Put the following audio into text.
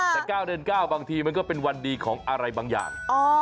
แต่๙เดือน๙บางทีมันก็เป็นวันดีของอะไรบางอย่าง